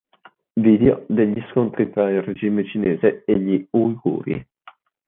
Video degli scontri tra il Regime Cinese e gli Uiguri